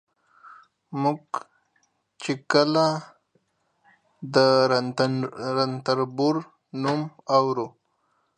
موږ چې کله د رنتنبور نوم اورو